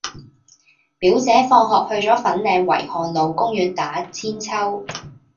表姐放學去左粉嶺維翰路公園打韆鞦